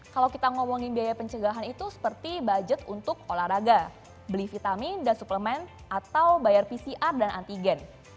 kalau kita ngomongin biaya pencegahan itu seperti budget untuk olahraga beli vitamin dan suplemen atau bayar pcr dan antigen